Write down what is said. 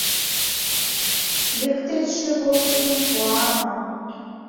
— Лектрисше волгыдым пуа аман.